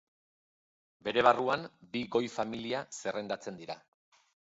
Bere barruan bi goi-familia zerrendatzen dira.